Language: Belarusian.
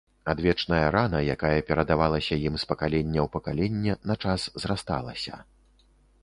Адвечная рана, якая перадавалася ім з пакалення ў пакаленне, на час зрасталася.